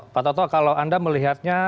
pak toto kalau anda melihatnya